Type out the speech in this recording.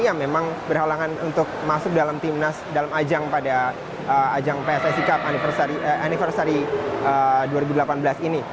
yang memang berhalangan untuk masuk dalam timnas dalam ajang pada ajang pssi cup anniversary dua ribu delapan belas ini